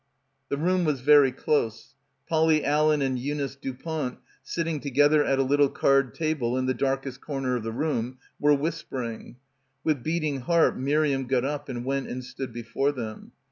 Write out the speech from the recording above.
The room was very close. Polly Allen and Eunice Dupont, sitting together at a little card table in the darkest corner of the room, were whispering. With beating heart Miriam got up and went and stood before them.